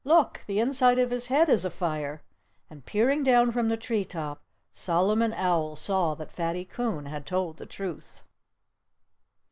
"Look! The inside of his head is afire." And peering down from the tree top, Solomon Owl saw that Fatty Coon had told the truth.